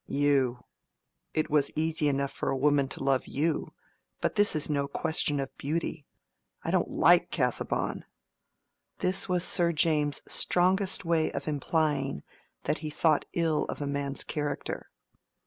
"You! it was easy enough for a woman to love you. But this is no question of beauty. I don't like Casaubon." This was Sir James's strongest way of implying that he thought ill of a man's character.